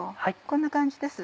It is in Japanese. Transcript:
こんな感じです